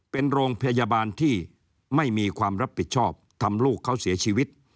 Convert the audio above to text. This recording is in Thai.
เป็นโรงพยาบาลที่ไม่มีความรับผิดชอบทำลูกเขาเสียชีวิต